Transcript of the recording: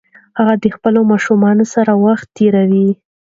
هغه د خپل ماشوم سره وخت تیروي.